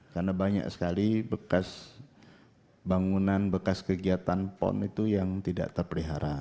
karena banyak sekali bekas bangunan bekas kegiatan pon itu yang tidak terpelihara